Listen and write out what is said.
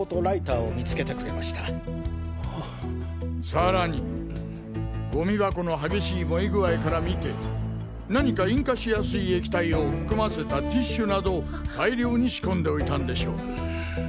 さらにゴミ箱の激しい燃え具合から見て何か引火しやすい液体を含ませたティッシュなどを大量に仕込んでおいたんでしょう。